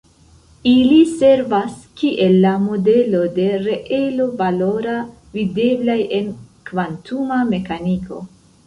Ili servas kiel la modelo de reelo-valora videblaj en kvantuma mekaniko.